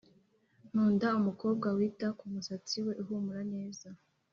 Nkunda umukobwa wita ku musatsi we uhumura neza